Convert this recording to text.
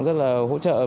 rất là hỗ trợ